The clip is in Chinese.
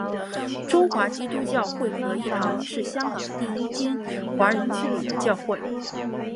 中华基督教会合一堂是香港第一间华人自理的教会。